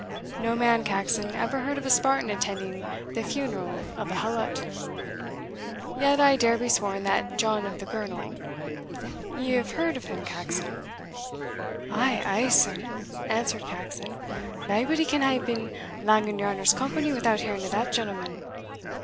No man, Caxon, ever heard of a Spartan attending the funeral of a Helot yet I dare be sworn that John of the Girnel ye have heard of him, Caxon?" "Ay, ay, sir," answered Caxon; "naebody can hae been lang in your honour's company without hearing of that gentleman."